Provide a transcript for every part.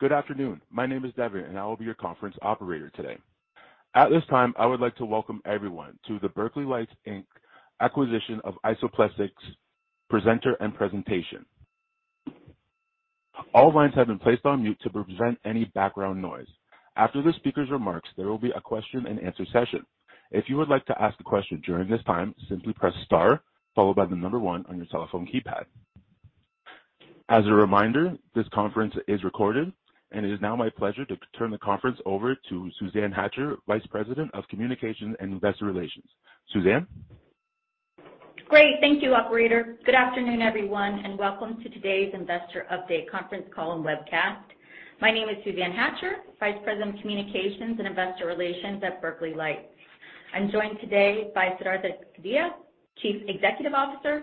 Good afternoon. My name is Devin. I will be your conference operator today. At this time, I would like to welcome everyone to the Berkeley Lights, Inc. acquisition of IsoPlexis presenter and presentation. All lines have been placed on mute to prevent any background noise. After the speaker's remarks, there will be a question-and-answer session. If you would like to ask a question during this time, simply press star followed by the number one on your telephone keypad. As a reminder, this conference is recorded. It is now my pleasure to turn the conference over to Suzanne Hatcher, Vice President of Communications and Investor Relations. Suzanne? Great. Thank you, operator. Good afternoon, everyone, and welcome to today's Investor Update conference call and webcast. My name is Suzanne Hatcher, Vice President of Communications and Investor Relations at Berkeley Lights. I'm joined today by Siddhartha Kadia, Chief Executive Officer,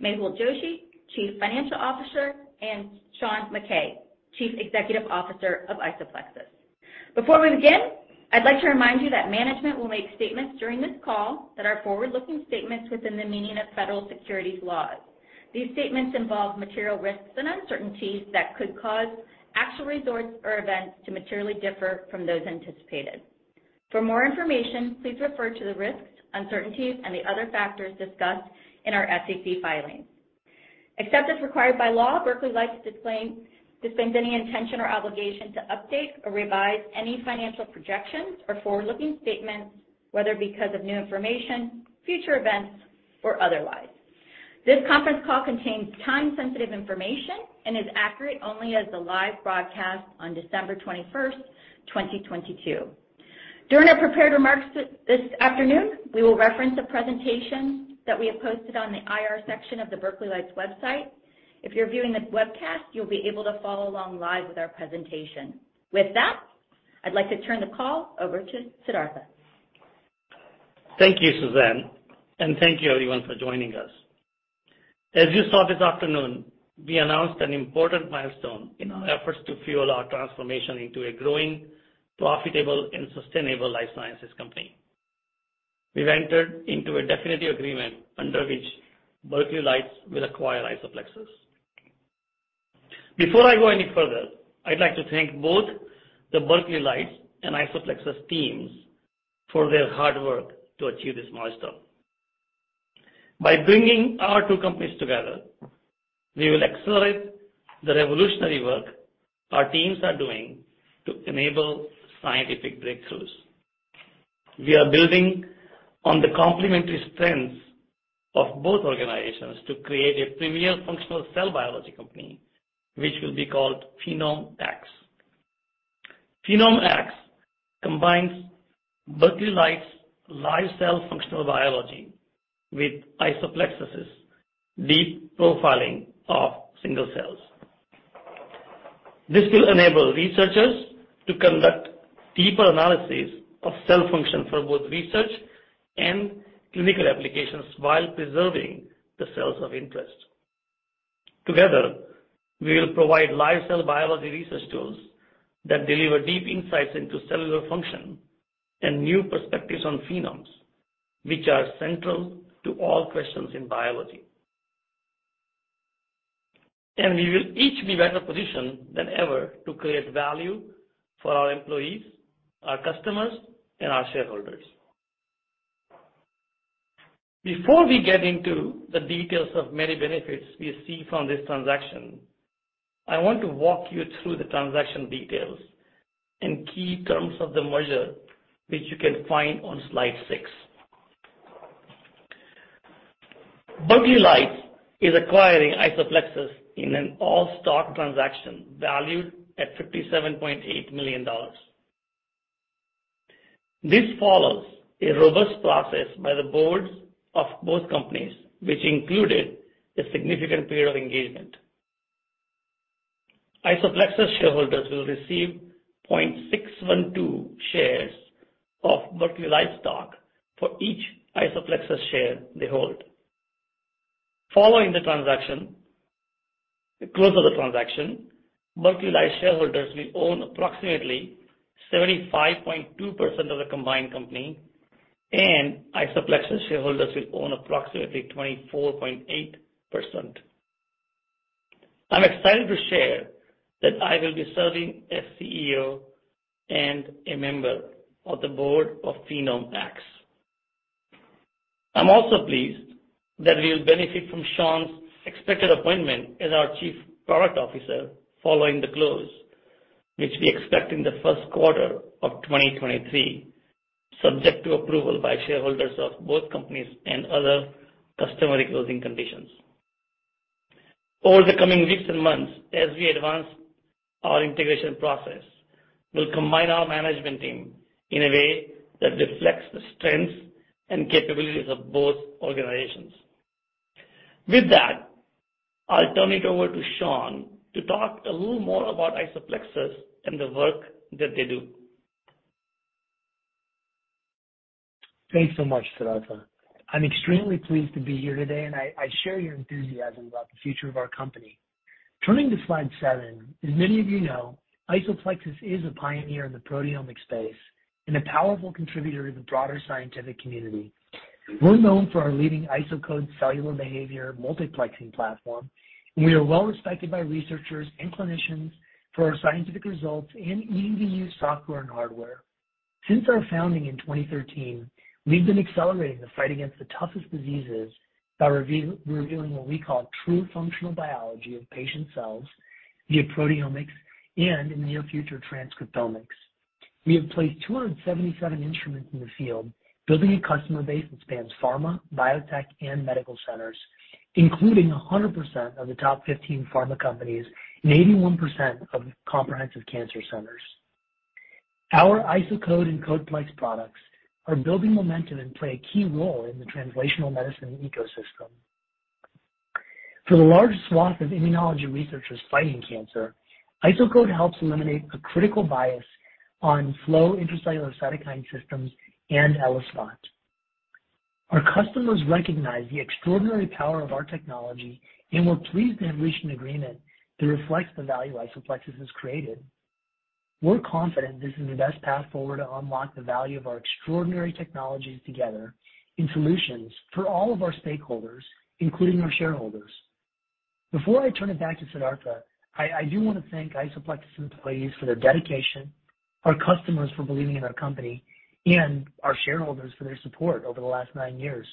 Mehul Joshi, Chief Financial Officer, and Sean Mackay, Chief Executive Officer of IsoPlexis. Before we begin, I'd like to remind you that management will make statements during this call that are forward-looking statements within the meaning of federal securities laws. These statements involve material risks and uncertainties that could cause actual results or events to materially differ from those anticipated. For more information, please refer to the risks, uncertainties, and the other factors discussed in our SEC filings. Except as required by law, Berkeley Lights disclaims any intention or obligation to update or revise any financial projections or forward-looking statements, whether because of new information, future events, or otherwise. This conference call contains time-sensitive information and is accurate only as of the live broadcast on December 21st, 2022. During our prepared remarks this afternoon, we will reference a presentation that we have posted on the IR section of the Berkeley Lights website. If you're viewing this webcast, you'll be able to follow along live with our presentation. With that, I'd like to turn the call over to Siddhartha. Thank you, Suzanne, and thank you everyone for joining us. As you saw this afternoon, we announced an important milestone in our efforts to fuel our transformation into a growing, profitable, and sustainable life sciences company. We've entered into a definitive agreement under which Berkeley Lights will acquire IsoPlexis. Before I go any further, I'd like to thank both the Berkeley Lights and IsoPlexis teams for their hard work to achieve this milestone. By bringing our two companies together, we will accelerate the revolutionary work our teams are doing to enable scientific breakthroughs. We are building on the complementary strengths of both organizations to create a premier functional cell biology company, which will be called PhenomeX. PhenomeX combines Berkeley Lights' live-cell functional biology with IsoPlexis' deep profiling of single cells. This will enable researchers to conduct deeper analysis of cell function for both research and clinical applications while preserving the cells of interest. Together, we will provide live-cell biology research tools that deliver deep insights into cellular function and new perspectives on phenomes, which are central to all questions in biology. We will each be better positioned than ever to create value for our employees, our customers, and our shareholders. Before we get into the details of many benefits we see from this transaction, I want to walk you through the transaction details and key terms of the merger, which you can find on slide six. Berkeley Lights is acquiring IsoPlexis in an all-stock transaction valued at $57.8 million. This follows a robust process by the boards of both companies, which included a significant period of engagement. IsoPlexis shareholders will receive 0.612 shares of Berkeley Lights stock for each IsoPlexis share they hold. Following the close of the transaction, Berkeley Lights shareholders will own approximately 75.2% of the combined company, and IsoPlexis shareholders will own approximately 24.8%. I'm excited to share that I will be serving as CEO and a member of the board of PhenomeX. I'm also pleased that we'll benefit from Sean's expected appointment as our chief product officer following the close, which we expect in the first quarter of 2023, subject to approval by shareholders of both companies and other customary closing conditions. Over the coming weeks and months, as we advance our integration process, we'll combine our management team in a way that reflects the strengths and capabilities of both organizations. With that, I'll turn it over to Sean to talk a little more about IsoPlexis and the work that they do. Thanks so much, Siddhartha. I'm extremely pleased to be here today, and I share your enthusiasm about the future of our company. Turning to slide seven, as many of you know, IsoPlexis is a pioneer in the proteomic space A powerful contributor to the broader scientific community. We're known for our leading IsoCode cellular behavior multiplexing platform, and we are well-respected by researchers and clinicians for our scientific results and easy-to-use software and hardware. Since our founding in 2013, we've been accelerating the fight against the toughest diseases by reviewing what we call true functional biology of patient cells via proteomics and near-future transcriptomics. We have placed 277 instruments in the field, building a customer base that spans pharma, biotech, and medical centers, including 100% of the top 15 pharma companies and 81% of comprehensive cancer centers. Our IsoCode and CodePlex products are building momentum and play a key role in the translational medicine ecosystem. For the large swath of immunology researchers fighting cancer, IsoCode helps eliminate a critical bias on flow intracellular cytokine staining and ELISpot. Our customers recognize the extraordinary power of our technology, and we're pleased to have reached an agreement that reflects the value IsoPlexis has created. We're confident this is the best path forward to unlock the value of our extraordinary technologies together in solutions for all of our stakeholders, including our shareholders. Before I turn it back to Siddhartha, I do wanna thank IsoPlexis employees for their dedication, our customers for believing in our company, and our shareholders for their support over the last nine years.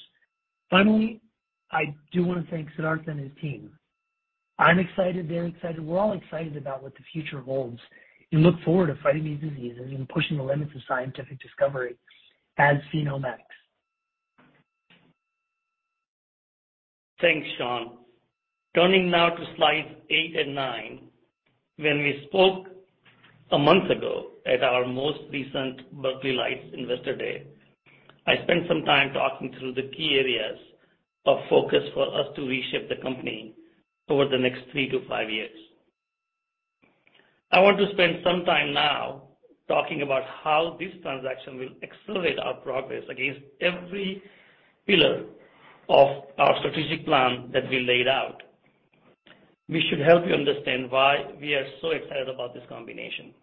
Finally, I do wanna thank Siddhartha and his team. I'm excited, they're excited, we're all excited about what the future holds and look forward to fighting these diseases and pushing the limits of scientific discovery as PhenomeX. Thanks, Sean. Turning now to slides eight and nine. When we spoke a month ago at our most recent Berkeley Lights Investor Day, I spent some time talking through the key areas of focus for us to reshape the company over the next three to five years. I want to spend some time now talking about how this transaction will accelerate our progress against every pillar of our strategic plan that we laid out, which should help you understand why we are so excited about this combination.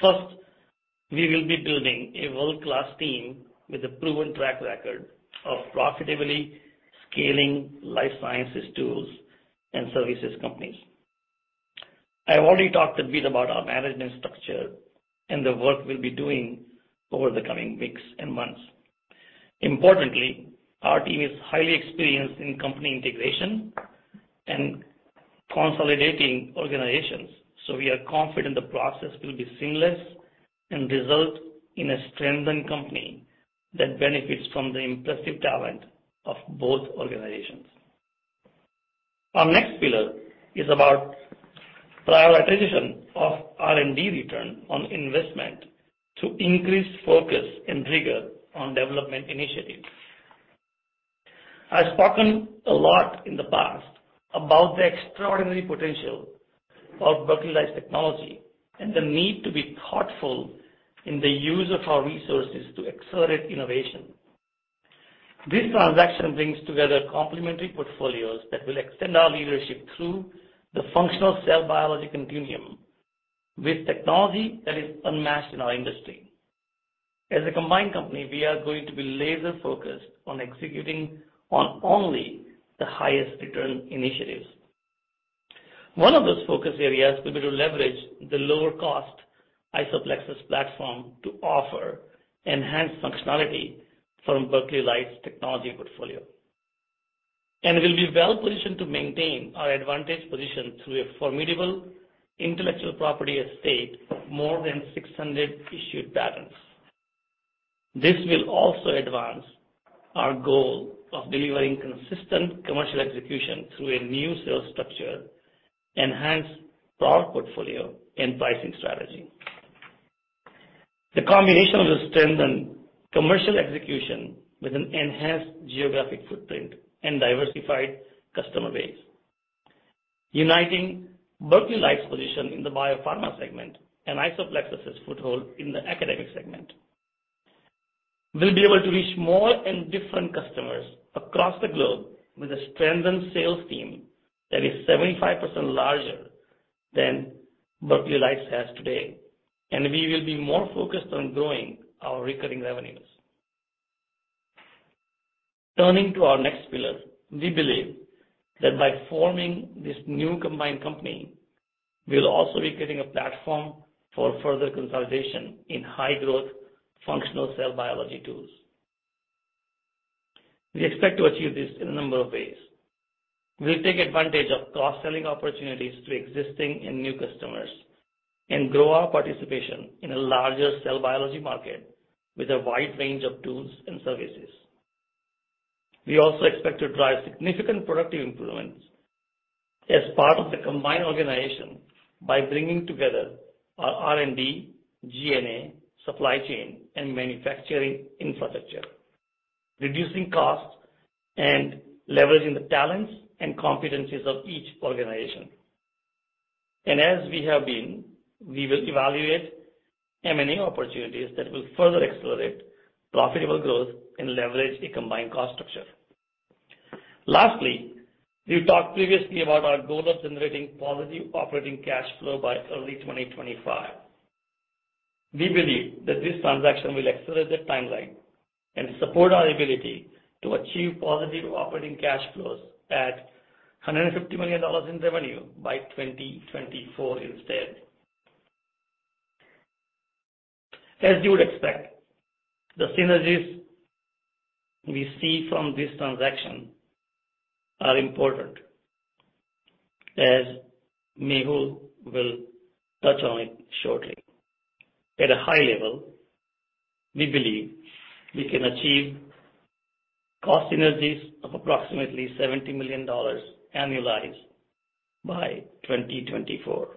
First, we will be building a world-class team with a proven track record of profitably scaling life sciences tools and services companies. I've already talked a bit about our management structure and the work we'll be doing over the coming weeks and months. Importantly, our team is highly experienced in company integration and consolidating organizations, so we are confident the process will be seamless and result in a strengthened company that benefits from the impressive talent of both organizations. Our next pillar is about prioritization of R&D return on investment to increase focus and rigor on development initiatives. I've spoken a lot in the past about the extraordinary potential of Berkeley Lights technology and the need to be thoughtful in the use of our resources to accelerate innovation. This transaction brings together complementary portfolios that will extend our leadership through the functional cell biology continuum with technology that is unmatched in our industry. As a combined company, we are going to be laser-focused on executing on only the highest return initiatives. One of those focus areas will be to leverage the lower cost IsoPlexis platform to offer enhanced functionality from Berkeley Lights technology portfolio. We'll be well-positioned to maintain our advantage position through a formidable intellectual property estate, more than 600 issued patents. This will also advance our goal of delivering consistent commercial execution through a new sales structure, enhanced product portfolio, and pricing strategy. The combination will strengthen commercial execution with an enhanced geographic footprint and diversified customer base. Uniting Berkeley Lights' position in the biopharma segment and IsoPlexis' foothold in the academic segment, we'll be able to reach more and different customers across the globe with a strengthened sales team that is 75% larger than Berkeley Lights has today, and we will be more focused on growing our recurring revenues. Turning to our next pillar, we believe that by forming this new combined company, we'll also be creating a platform for further consolidation in high-growth functional cell biology tools. We expect to achieve this in a number of ways. We'll take advantage of cross-selling opportunities to existing and new customers and grow our participation in a larger cell biology market with a wide range of tools and services. We also expect to drive significant productivity improvements as part of the combined organization by bringing together our R&D, G&A, supply chain, and manufacturing infrastructure, reducing costs and leveraging the talents and competencies of each organization. As we have been, we will evaluate M&A opportunities that will further accelerate profitable growth and leverage a combined cost structure. Lastly, we talked previously about our goal of generating positive operating cash flow by early 2025. We believe that this transaction will accelerate the timeline and support our ability to achieve positive operating cash flows at $150 million in revenue by 2024 instead. As you would expect, the synergies we see from this transaction are important, as Mehul will touch on it shortly. At a high level, we believe we can achieve cost synergies of approximately $70 million annualized by 2024.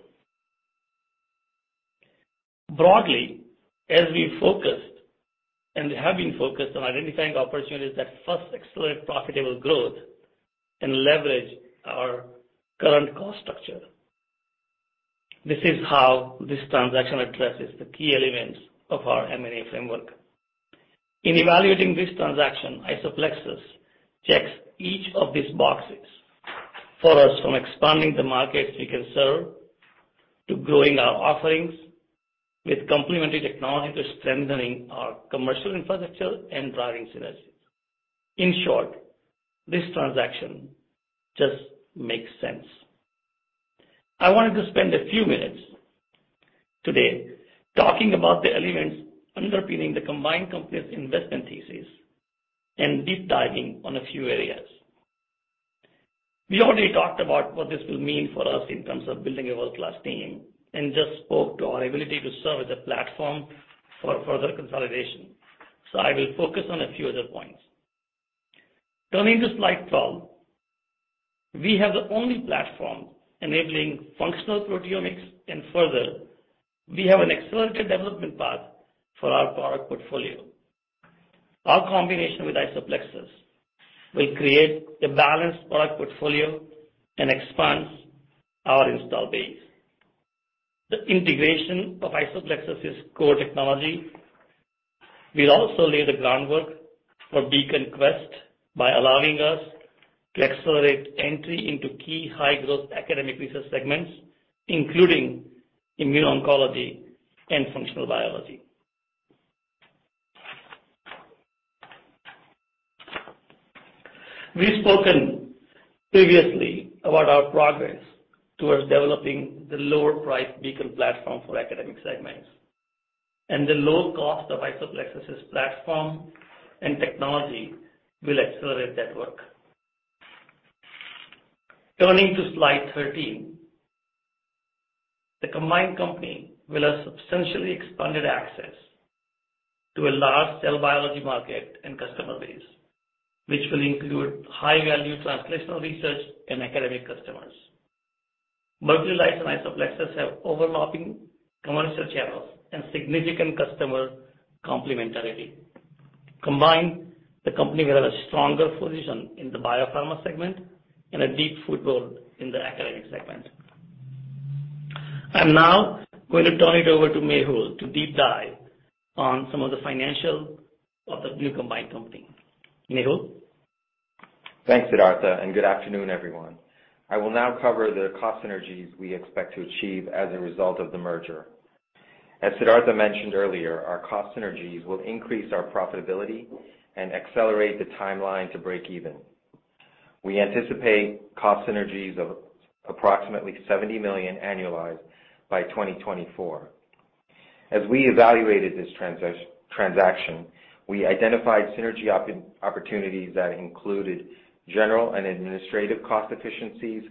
Broadly, as we focus and have been focused on identifying opportunities that first accelerate profitable growth and leverage our current cost structure, this is how this transaction addresses the key elements of our M&A framework. In evaluating this transaction, IsoPlexis checks each of these boxes for us from expanding the markets we can serve to growing our offerings with complementary technology to strengthening our commercial infrastructure and driving synergies. In short, this transaction just makes sense. I wanted to spend a few minutes today talking about the elements underpinning the combined company's investment thesis and deep diving on a few areas. We already talked about what this will mean for us in terms of building a world-class team and just spoke to our ability to serve as a platform for further consolidation. I will focus on a few other points. Turning to slide 12, we have the only platform enabling functional proteomics, and further, we have an accelerated development path for our product portfolio. Our combination with IsoPlexis will create a balanced product portfolio and expands our install base. The integration of IsoPlexis' core technology will also lay the groundwork for Beacon Quest by allowing us to accelerate entry into key high-growth academic research segments, including immuno-oncology and functional biology. We've spoken previously about our progress towards developing the lower-priced Beacon platform for academic segments. The low cost of IsoPlexis' platform and technology will accelerate that work. Turning to slide 13, the combined company will have substantially expanded access to a large cell biology market and customer base, which will include high-value translational research and academic customers. Berkeley Lights and IsoPlexis have overlapping commercial channels and significant customer complementarity. Combined, the company will have a stronger position in the biopharma segment and a deep foothold in the academic segment. I'm now going to turn it over to Mehul to deep dive on some of the financial of the new combined company. Mehul? Thanks, Siddhartha. Good afternoon, everyone. I will now cover the cost synergies we expect to achieve as a result of the merger. As Siddhartha mentioned earlier, our cost synergies will increase our profitability and accelerate the timeline to break even. We anticipate cost synergies of approximately $70 million annualized by 2024. As we evaluated this transaction, we identified synergy opportunities that included general and administrative cost efficiencies,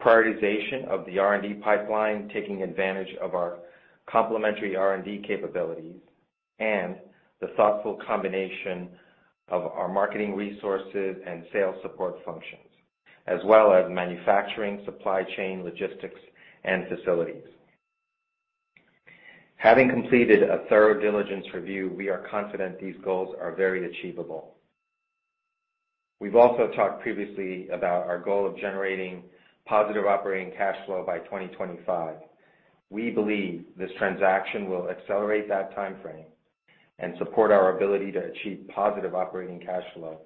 prioritization of the R&D pipeline, taking advantage of our complementary R&D capabilities, and the thoughtful combination of our marketing resources and sales support functions, as well as manufacturing, supply chain, logistics, and facilities. Having completed a thorough diligence review, we are confident these goals are very achievable. We've also talked previously about our goal of generating positive operating cash flow by 2025. We believe this transaction will accelerate that timeframe and support our ability to achieve positive operating cash flow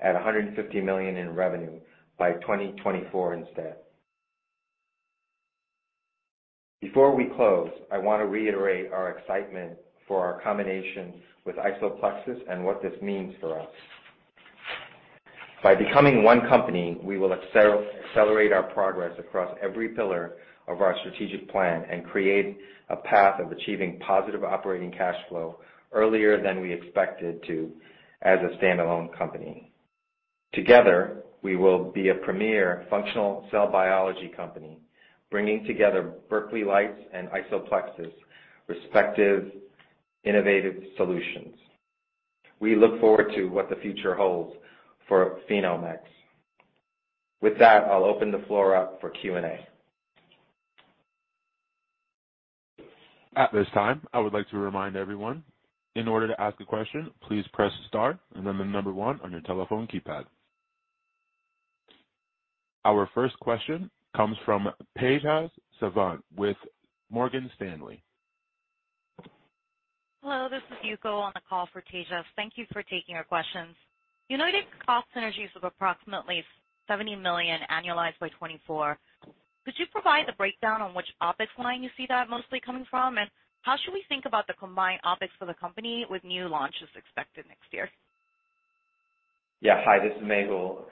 at $150 million in revenue by 2024 instead. Before we close, I wanna reiterate our excitement for our combination with IsoPlexis and what this means for us. By becoming one company, we will accelerate our progress across every pillar of our strategic plan and create a path of achieving positive operating cash flow earlier than we expected to as a standalone company. Together, we will be a premier functional cell biology company, bringing together Berkeley Lights and IsoPlexis respective innovative solutions. We look forward to what the future holds for PhenomeX. With that, I'll open the floor up for Q&A. At this time, I would like to remind everyone, in order to ask a question, please press star and then the number one on your telephone keypad. Our first question comes from Tejas Savant with Morgan Stanley. Hello, this is Yuko on the call for Tejas. Thank you for taking our questions. You noted cost synergies of approximately $70 million annualized by 2024. Could you provide the breakdown on which OpEx line you see that mostly coming from? How should we think about the combined OpEx for the company with new launches expected next year? Yeah. Hi, this is Mehul.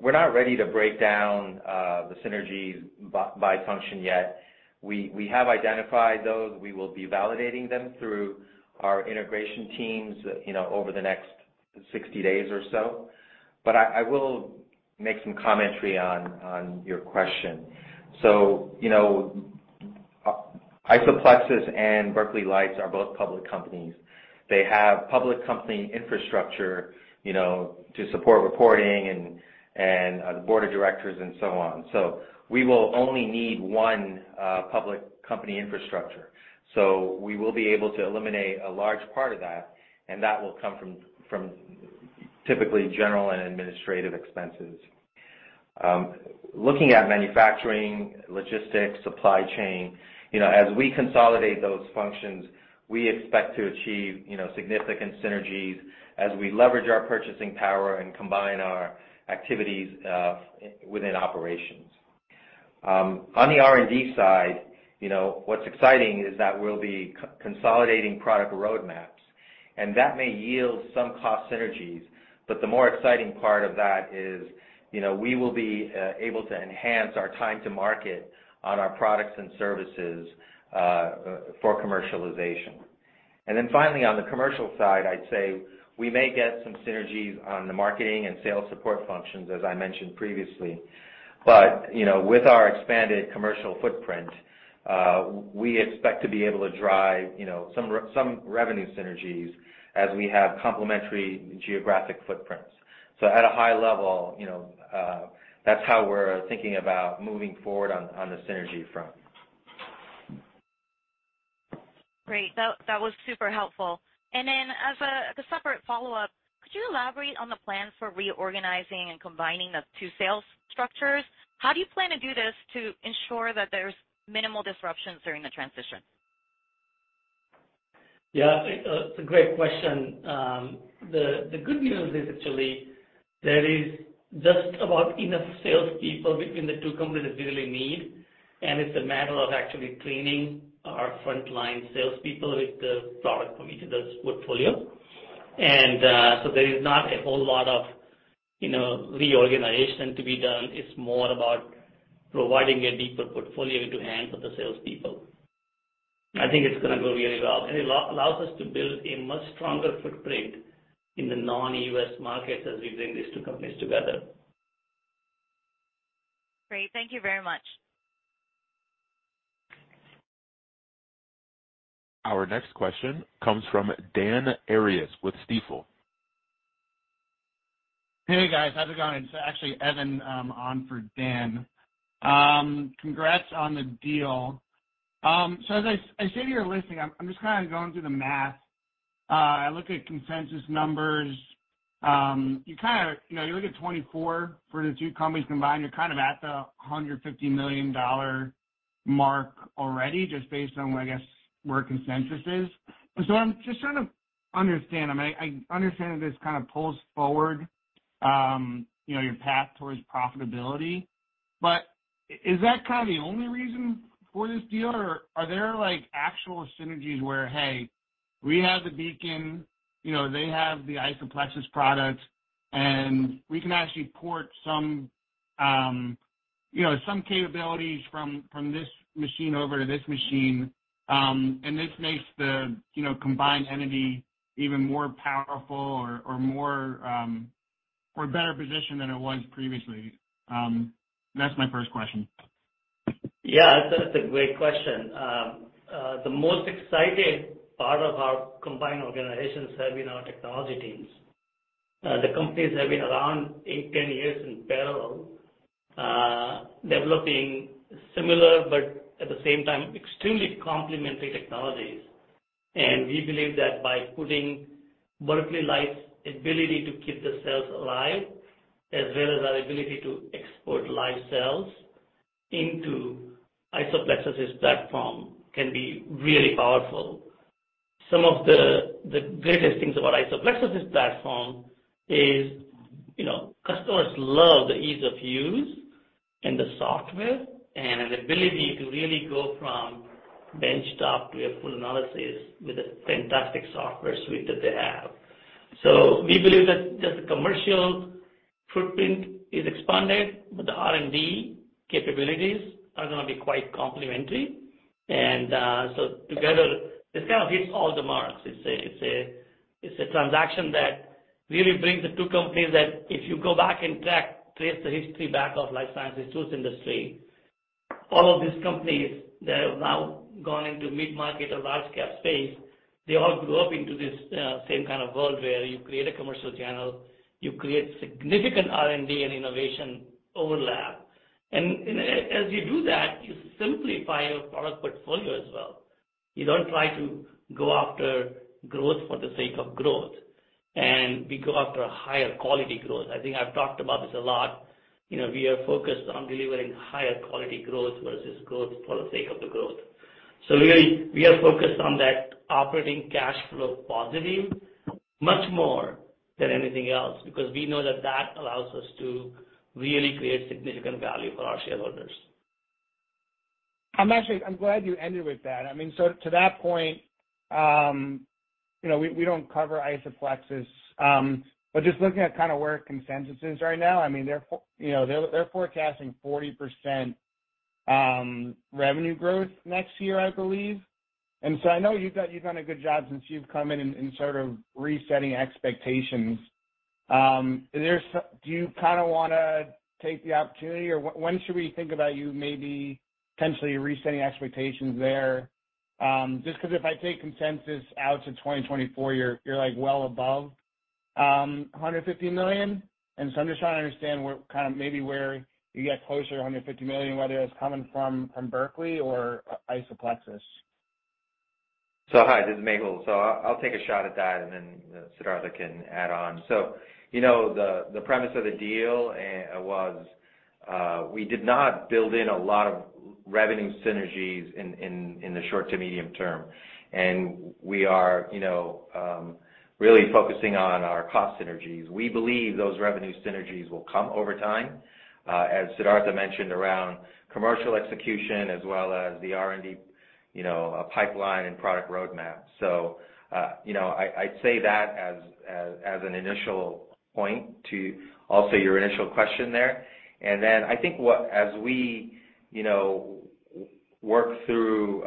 We're not ready to break down the synergies by function yet. We have identified those. We will be validating them through our integration teams, you know, over the next 60 days or so. I will make some commentary on your question. You know, IsoPlexis and Berkeley Lights are both public companies. They have public company infrastructure, you know, to support reporting and a Board of Directors and so on. We will only need one public company infrastructure. We will be able to eliminate a large part of that, and that will come from typically general and administrative expenses. Looking at manufacturing, logistics, supply chain, you know, as we consolidate those functions, we expect to achieve, you know, significant synergies as we leverage our purchasing power and combine our activities within operations. On the R&D side, you know, what's exciting is that we'll be co-consolidating product roadmaps, and that may yield some cost synergies. The more exciting part of that is, you know, we will be able to enhance our time to market on our products and services for commercialization. Finally, on the commercial side, I'd say we may get some synergies on the marketing and sales support functions, as I mentioned previously. With our expanded commercial footprint, we expect to be able to drive, you know, some revenue synergies as we have complementary geographic footprints. At a high level, you know, that's how we're thinking about moving forward on the synergy front. Great. That was super helpful. As a separate follow-up, could you elaborate on the plans for reorganizing and combining the two sales structures? How do you plan to do this to ensure that there's minimal disruptions during the transition? Yeah, it's a great question. The good news is actually there is just about enough salespeople between the two companies that we really need, and it's a matter of actually training our frontline salespeople with the product from each of those portfolio. There is not a whole lot of, you know, reorganization to be done. It's more about providing a deeper portfolio into hand for the salespeople. I think it's gonna go really well, and it allows us to build a much stronger footprint in the non-U.S. markets as we bring these two companies together. Great. Thank you very much. Our next question comes from Dan Arias with Stifel. Hey, guys. How's it going? It's actually Evan, I'm on for Dan. Congrats on the deal. As I sit here listening, I'm just kinda going through the math. I look at consensus numbers. You kinda, you know, you look at 2024 for the two companies combined, you're kind of at the $150 million mark already just based on, I guess, where consensus is. I'm just trying to understand. I mean, I understand that this kind of pulls forward, you know, your path towards profitability, but is that kind of the only reason for this deal? Are there like actual synergies where, hey, we have the Beacon, you know, they have the IsoPlexis product, and we can actually port some, you know, some capabilities from this machine over to this machine, and this makes the, you know, combined entity even more powerful or more, or better positioned than it was previously? That's my first question. Yeah, that's a great question. The most exciting part of our combined organizations have been our technology teams. The companies have been around eight, 10 years in parallel, developing similar but at the same time extremely complementary technologies. We believe that by putting Berkeley Lights' ability to keep the cells alive as well as our ability to export live cells into IsoPlexis' platform can be really powerful. Some of the greatest things about IsoPlexis' platform is, you know, customers love the ease of use and the software and the ability to really go from benchtop to a full analysis with the fantastic software suite that they have. We believe that the commercial footprint is expanded, but the R&D capabilities are gonna be quite complementary. Together, this kind of hits all the marks. It's a transaction that really brings the two companies that if you go back and track, trace the history back of life sciences tools industry, all of these companies that have now gone into mid-market or large cap space, they all grew up into this same kind of world where you create a commercial channel, you create significant R&D and innovation overlap. As you do that, you simplify your product portfolio as well. You don't try to go after growth for the sake of growth. We go after a higher quality growth. I think I've talked about this a lot. You know, we are focused on delivering higher quality growth versus growth for the sake of the growth. Really, we are focused on that operating cash flow positive much more than anything else, because we know that that allows us to really create significant value for our shareholders. I'm actually glad you ended with that. I mean, so to that point, you know, we don't cover IsoPlexis. But just looking at kind of where consensus is right now, I mean, they're forecasting 40% revenue growth next year, I believe. I know you've done a good job since you've come in sort of resetting expectations. Do you kinda wanna take the opportunity or when should we think about you maybe potentially resetting expectations there? Just 'cause if I take consensus out to 2024, you're like well above $150 million. I'm just trying to understand where kind of maybe where you get closer to $150 million, whether it's coming from Berkeley or IsoPlexis. Hi, this is Mehul. I'll take a shot at that and then Siddhartha can add on. You know, the premise of the deal was, we did not build in a lot of revenue synergies in the short to medium term. We are, you know, really focusing on our cost synergies. We believe those revenue synergies will come over time, as Siddhartha mentioned around commercial execution as well as the R&D, you know, pipeline and product roadmap. You know, I say that as an initial point to also your initial question there. I think as we, you know, work through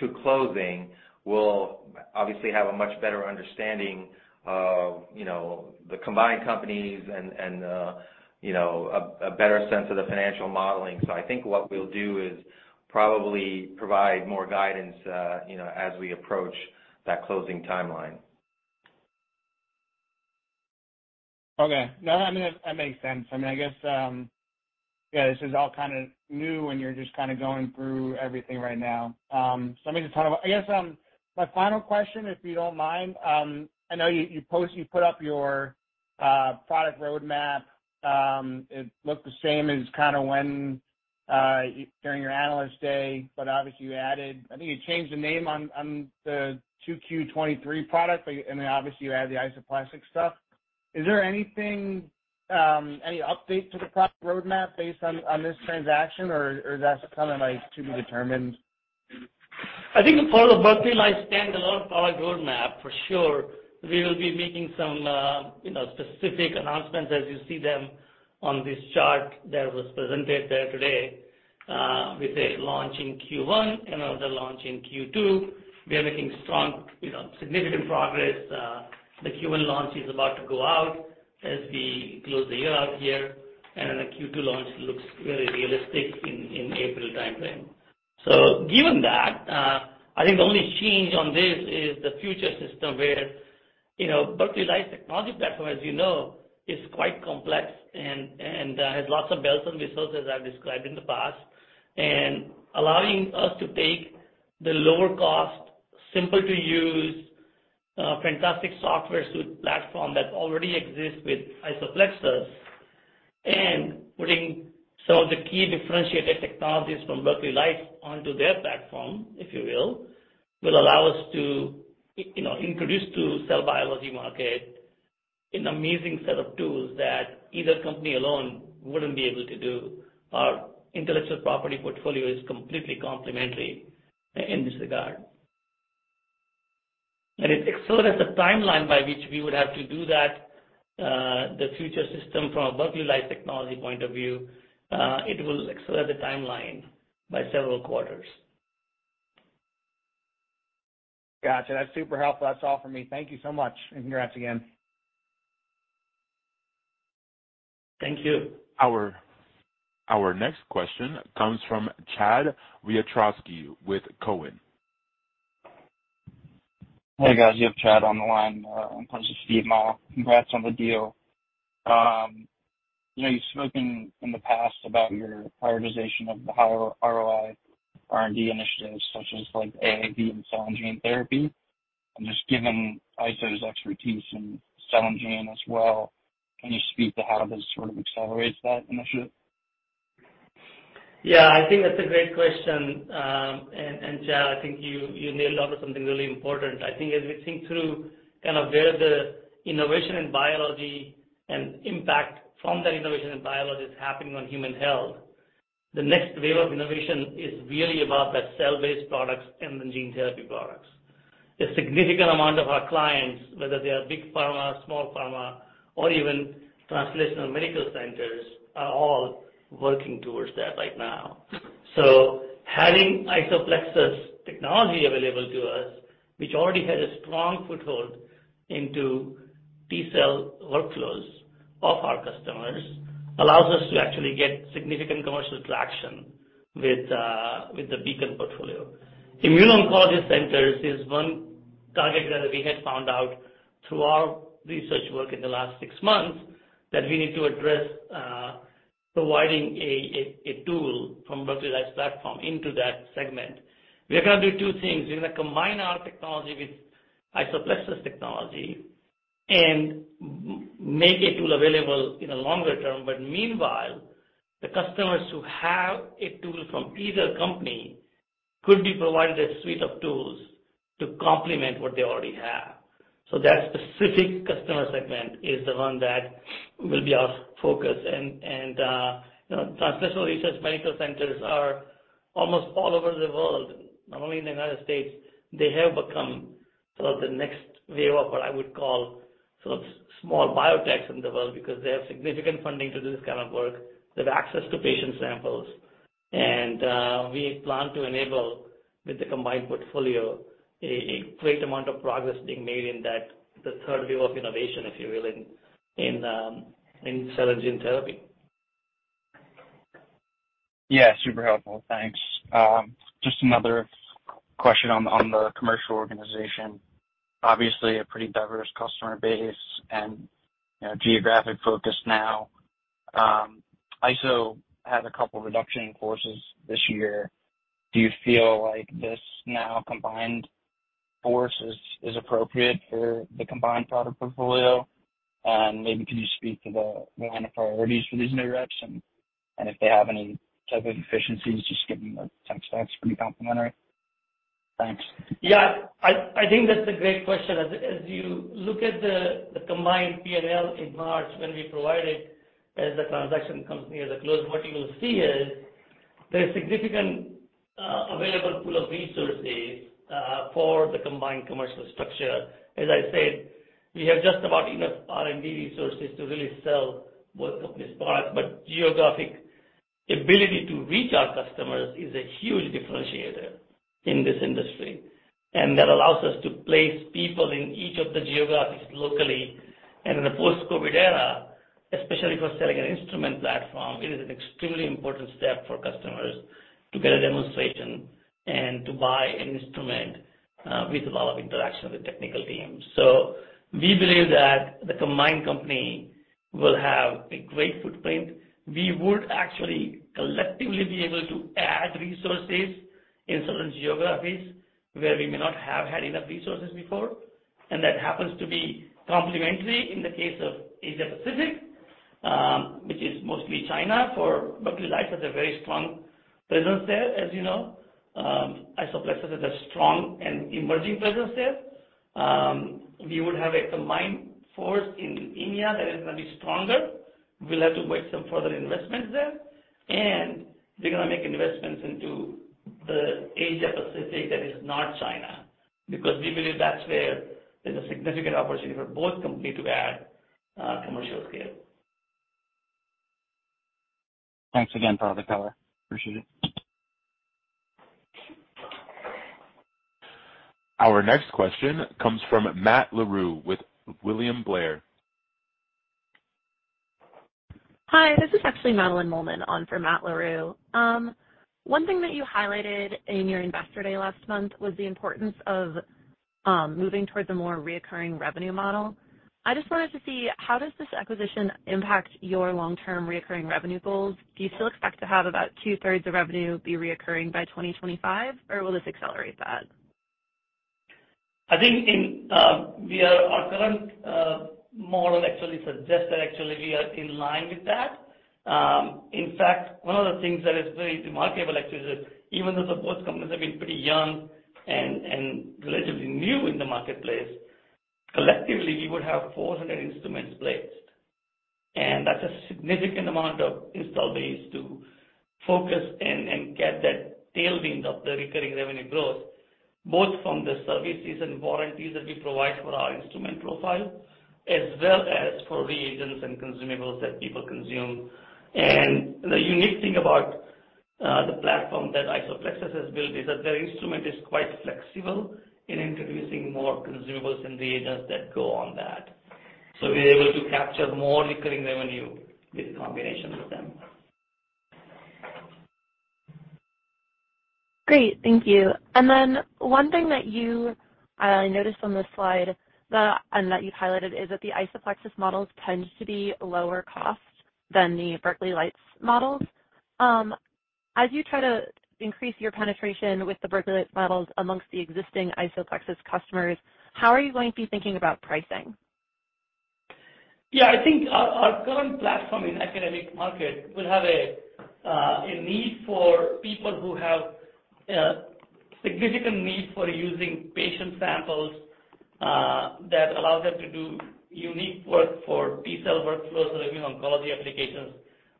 to closing, we'll obviously have a much better understanding of, you know, the combined companies and, you know, a better sense of the financial modeling. I think what we'll do is probably provide more guidance, you know, as we approach that closing timeline. Okay. No, I mean, that makes sense. I mean, I guess, yeah, this is all kind of new and you're just kinda going through everything right now. Let me just talk about... I guess, my final question, if you don't mind. I know you post, you put up your product roadmap. It looked the same as kind of when during your Analyst Day, obviously you added, I think you changed the name on the 2Q 2023 product, I mean, obviously you added the IsoPlexis stuff. Is there anything, any update to the product roadmap based on this transaction or that's kind of like to be determined? I think for the Berkeley Lights standalone product roadmap for sure, we will be making some, you know, specific announcements as you see them on this chart that was presented there today, with a launch in Q1 and another launch in Q2. We are making strong, you know, significant progress. The Q1 launch is about to go out as we close the year out here, and the Q2 launch looks very realistic in April timeframe. Given that, I think the only change on this is the future system where, you know, Berkeley Lights technology platform, as you know, is quite complex and, has lots of bells and whistles, as I've described in the past. Allowing us to take the lower cost, simple to use, fantastic software suite platform that already exists with IsoPlexis and putting some of the key differentiated technologies from Berkeley Lights onto their platform, if you will allow us to, you know, introduce to cell biology market an amazing set of tools that either company alone wouldn't be able to do. Our intellectual property portfolio is completely complementary in this regard. It accelerates the timeline by which we would have to do that, the future system from a Berkeley Lights technology point of view, it will accelerate the timeline by several quarters. Gotcha. That's super helpful. That's all for me. Thank you so much and congrats again. Thank you. Our next question comes from Chad Wiatrowski with Cowen. Hey, guys. You have Chad on the line, in place of Steven Mah. Congrats on the deal. You know, you've spoken in the past about your prioritization of the high ROI R&D initiatives such as like AAV and cell and gene therapy. Just given Iso's expertise in cell and gene as well, can you speak to how this sort of accelerates that initiative? I think that's a great question. Chad, I think you nailed onto something really important. I think as we think through kind of where the innovation in biology and impact from that innovation in biology is happening on human health, the next wave of innovation is really about the cell-based products and the gene therapy products. A significant amount of our clients, whether they are big pharma, small pharma or even translational medical centers, are all working towards that right now. Having IsoPlexis technology available to us, which already has a strong foothold into T-cell workflows of our customers, allows us to actually get significant commercial traction with the Beacon portfolio. Immuno-oncology centers is one target that we had found out through our research work in the last six months that we need to address. Providing a tool from Berkeley Lights platform into that segment. We are going to do two things. We're going to combine our technology with IsoPlexis technology and make a tool available in the longer-term. Meanwhile, the customers who have a tool from either company could be provided a suite of tools to complement what they already have. That specific customer segment is the one that will be our focus. You know, translational research medical centers are almost all over the world, not only in the United States. They have become sort of the next wave of what I would call sort of small biotechs in the world because they have significant funding to do this kind of work. They have access to patient samples. We plan to enable, with the combined portfolio, a great amount of progress being made in that, the third wave of innovation, if you will, in cell and gene therapy. Yeah, super helpful. Thanks. Just another question on the, on the commercial organization. Obviously, a pretty diverse customer base and, you know, geographic focus now. Iso had a couple reduction in forces this year. Do you feel like this now combined force is appropriate for the combined product portfolio? Maybe can you speak to the line of priorities for these new reps and if they have any type of efficiencies, just give me like 10 stats from the complimentary. Thanks. Yeah. I think that's a great question. As you look at the combined P&L in March when we provide it, as the transaction comes near the close, what you will see is there is significant available pool of resources for the combined commercial structure. As I said, we have just about enough R&D resources to really sell both companies' products, but geographic ability to reach our customers is a huge differentiator in this industry. That allows us to place people in each of the geographies locally. In a post-COVID era, especially for selling an instrument platform, it is an extremely important step for customers to get a demonstration and to buy an instrument with a lot of interaction with technical teams. We believe that the combined company will have a great footprint. We would actually collectively be able to add resources in certain geographies where we may not have had enough resources before, and that happens to be complementary in the case of Asia Pacific, which is mostly China, for Berkeley Lights has a very strong presence there, as you know. IsoPlexis has a strong and emerging presence there. We would have a combined force in India that is gonna be stronger. We'll have to make some further investments there. We're gonna make investments into the Asia Pacific that is not China, because we believe that's where there's a significant opportunity for both company to add commercial scale. Thanks again for the color. Appreciate it. Our next question comes from Matt Larew with William Blair. Hi, this is actually Madeline Mollman on for Matt Larew. One thing that you highlighted in your Investor Day last month was the importance of moving towards a more reoccurring revenue model. I just wanted to see, how does this acquisition impact your long-term reoccurring revenue goals? Do you still expect to have about 2/3 of revenue be reoccurring by 2025, or will this accelerate that? I think in, Our current model actually suggests that actually we are in line with that. In fact, one of the things that is very remarkable actually is that even though the both companies have been pretty young and relatively new in the marketplace, collectively, we would have 400 instruments placed. That's a significant amount of install base to focus in and get that tailwind of the recurring revenue growth, both from the services and warranties that we provide for our instrument profile, as well as for reagents and consumables that people consume. The unique thing about the platform that IsoPlexis has built is that their instrument is quite flexible in introducing more consumables and reagents that go on that. We're able to capture more recurring revenue with combination with them. Great. Thank you. One thing that I noticed on this slide that you've highlighted is that the IsoPlexis models tend to be lower cost than the Berkeley Lights models. As you try to increase your penetration with the Berkeley Lights models amongst the existing IsoPlexis customers, how are you going to be thinking about pricing? Yeah. I think our current platform in academic market will have a need for people who have significant need for using patient samples that allows them to do unique work for T-cell workflows or even oncology applications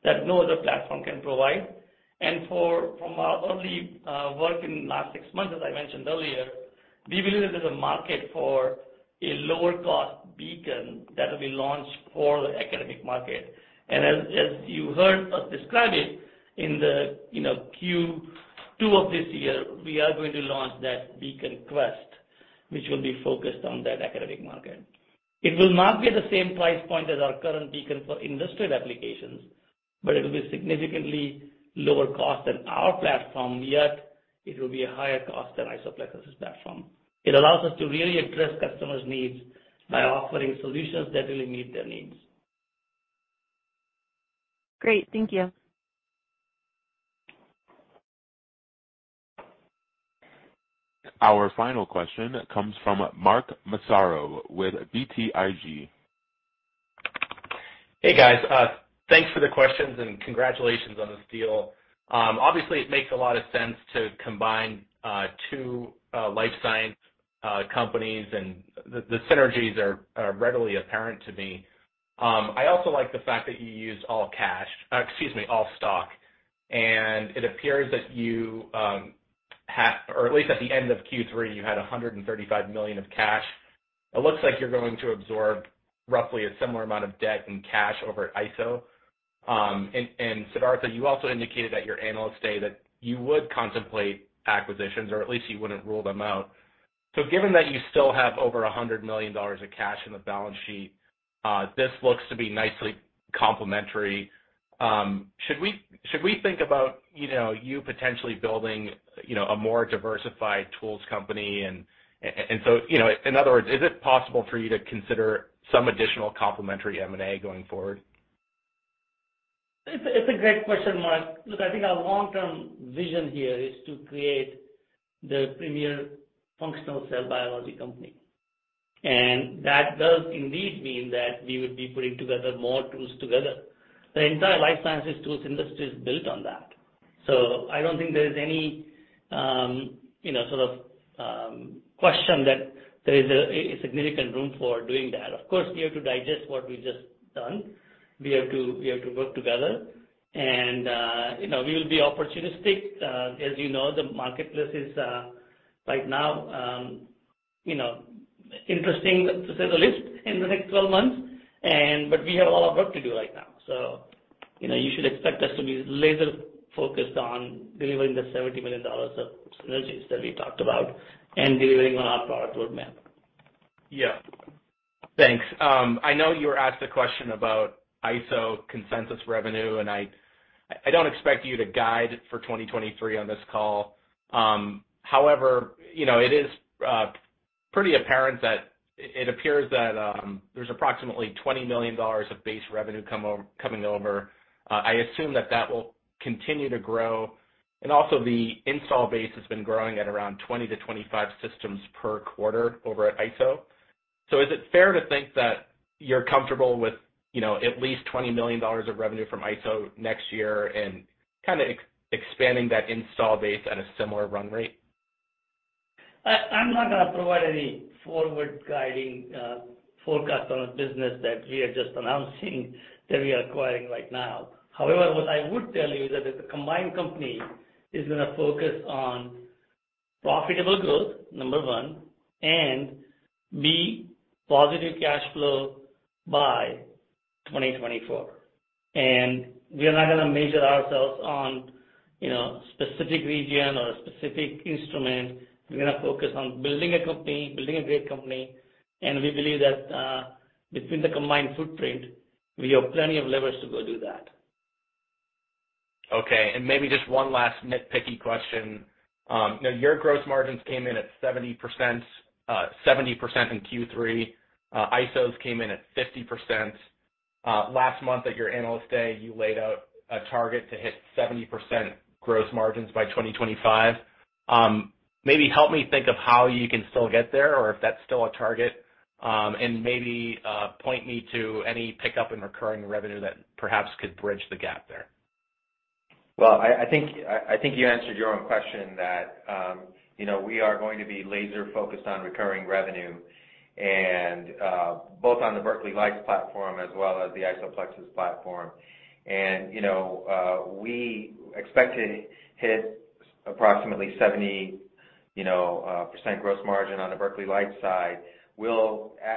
that no other platform can provide. For, from our early work in last six months, as I mentioned earlier, we believe that there's a market for a lower cost Beacon that will be launched for the academic market. As you heard us describe it in the, you know, Q2 of this year, we are going to launch that Beacon Quest, which will be focused on that academic market. It will not be at the same price point as our current Beacon for industrial applications, but it will be significantly lower cost than our platform, yet It will be a higher cost than IsoPlexis platform. It allows us to really address customers' needs by offering solutions that really meet their needs. Great. Thank you. Our final question comes from Mark Massaro with BTIG. Hey, guys. Thanks for the questions and congratulations on this deal. Obviously, it makes a lot of sense to combine two life science companies, and the synergies are readily apparent to me. I also like the fact that you used all cash, excuse me, all stock. It appears that you, or at least at the end of Q3, you had $135 million of cash. It looks like you're going to absorb roughly a similar amount of debt in cash over at Iso. And Siddhartha, you also indicated at your Analyst Day that you would contemplate acquisitions or at least you wouldn't rule them out. Given that you still have over $100 million of cash in the balance sheet, this looks to be nicely complementary. Should we think about, you know, you potentially building, you know, a more diversified tools company? You know, in other words, is it possible for you to consider some additional complementary M&A going forward? It's a great question, Mark. Look, I think our long-term vision here is to create the premier functional cell biology company, and that does indeed mean that we would be putting together more tools together. The entire life sciences tools industry is built on that. I don't think there is any, you know, sort of, question that there is a significant room for doing that. Of course, we have to digest what we've just done. We have to work together and, you know, we will be opportunistic. As you know, the marketplace is right now, you know, interesting to say the least in the next 12 months. But we have a lot of work to do right now. You know, you should expect us to be laser-focused on delivering the $70 million of synergies that we talked about and delivering on our product roadmap. Yeah. Thanks. I know you were asked a question about Iso Consensus revenue, and I don't expect you to guide for 2023 on this call. However, you know, it is pretty apparent that it appears that there's approximately $20 million of base revenue coming over. I assume that will continue to grow. Also the install base has been growing at around 20-25 systems per quarter over at Iso. Is it fair to think that you're comfortable with, you know, at least $20 million of revenue from Iso next year and kinda expanding that install base at a similar run rate? I'm not gonna provide any forward guiding forecast on a business that we are just announcing that we are acquiring right now. However, what I would tell you is that the combined company is gonna focus on profitable growth, number one, and b, positive cash flow by 2024. We are not gonna measure ourselves on, you know, specific region or a specific instrument. We're gonna focus on building a company, building a great company, and we believe that between the combined footprint, we have plenty of levers to go do that. Okay. Maybe just one last nitpicky question. you know, your gross margins came in at 70%, 70% in Q3. Iso's came in at 50%. Last month at your Analyst Day, you laid out a target to hit 70% gross margins by 2025. Maybe help me think of how you can still get there or if that's still a target. Maybe, point me to any pickup in recurring revenue that perhaps could bridge the gap there. Well, I think, I think you answered your own question that, you know, we are going to be laser-focused on recurring revenue and both on the Berkeley Lights platform as well as the IsoPlexis platform. You know, we expect to hit approximately 70%, you know, gross margin on the Berkeley Lights side.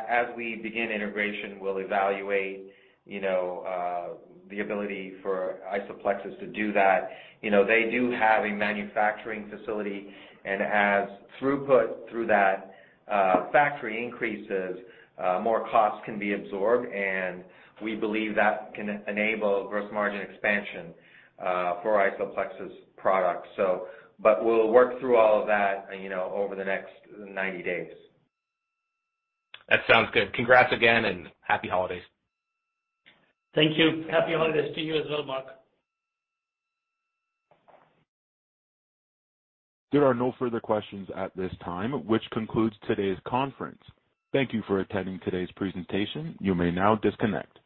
As we begin integration, we'll evaluate, you know, the ability for IsoPlexis to do that. You know, they do have a manufacturing facility, and as throughput through that factory increases, more costs can be absorbed, and we believe that can enable gross margin expansion for IsoPlexis products, so. We'll work through all of that, you know, over the next 90 days. That sounds good. Congrats again, and happy holidays. Thank you. Happy holidays to you as well, Mark. There are no further questions at this time, which concludes today's conference. Thank you for attending today's presentation. You may now disconnect.